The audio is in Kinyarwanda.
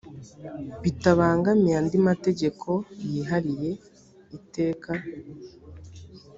bitabangamiye andi mategeko yihariye iteka